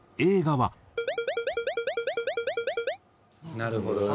なるほどな。